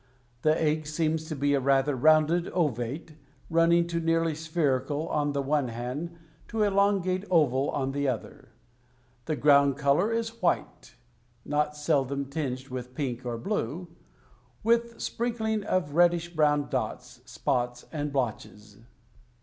The egg seems to be a rather rounded ovate, running to nearly spherical on the one hand to elongate oval on the other. The ground color is white, not seldom tinged with pink or blue, with sprinkling of reddish brown dots, spots, and blotches.